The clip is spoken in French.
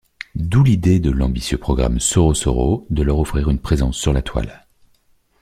D'où l'idée de l'ambitieux programme Sorosoro de leur offrir une présence sur la Toile.